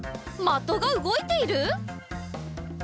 まとがうごいている？